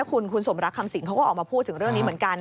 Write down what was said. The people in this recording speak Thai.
คุณสมรักคำสิงเขาก็ออกมาพูดถึงเรื่องนี้เหมือนกัน